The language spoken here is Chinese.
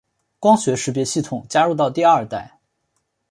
光学识别系统加入到第二代。